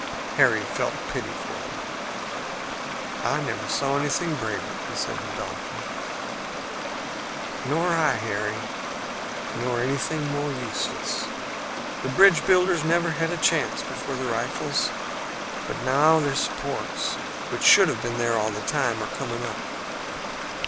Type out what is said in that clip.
Harry felt pity for them. "I never saw anything braver," he said to Dalton. "Nor did I, Harry, nor anything more useless. The bridge builders never had a chance before the rifles. But now their supports, which should have been there all the time, are coming up."